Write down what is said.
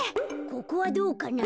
ここはどうかな？